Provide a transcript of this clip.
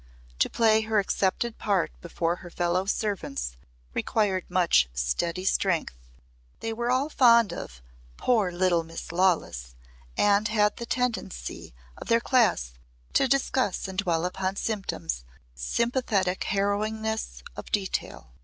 To play her accepted part before her fellow servants required much steady strength. They were all fond of "poor little Miss Lawless" and had the tendency of their class to discuss and dwell upon symptoms with sympathetic harrowingness of detail.